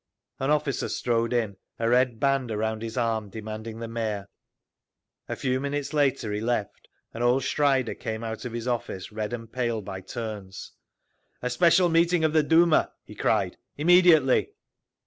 An officer strode in, a red band around his arm, demanding the Mayor. A few minutes later he left and old Schreider came out of his office, red and pale by turns. "A special meeting of the Duma!" he cried. "Immediately!"